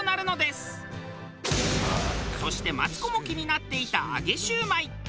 そしてマツコも気になっていた揚げ焼売。